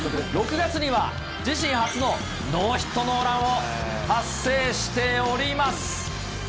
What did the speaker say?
６月には自身初のノーヒットノーランを達成しております。